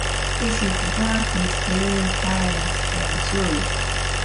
This is where his true talents came through.